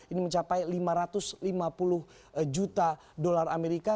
ini mencapai lima ratus lima puluh juta dolar amerika